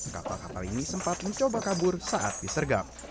kapal kapal ini sempat mencoba kabur saat disergap